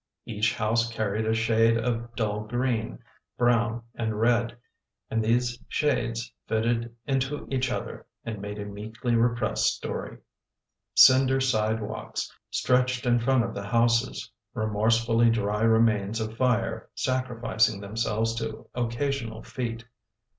Each house carried a shade of dull green, brown and red, and these shades fitted into each other and made a meekly repressed story. Cinder side walks stretched in front of the houses — remorse fully dry remains of fire, sacrificing themselves to occa sional feet.